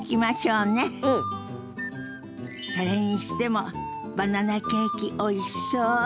それにしてもバナナケーキおいしそう。